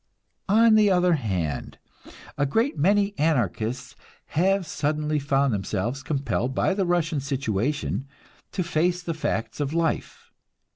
On the other hand, a great many Anarchists have suddenly found themselves compelled by the Russian situation to face the facts of life.